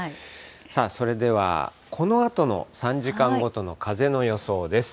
さあ、それではこのあとの３時間ごとの風の予想です。